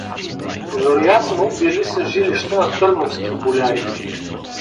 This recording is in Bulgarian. Вероятно били са жилища на търновски боляри.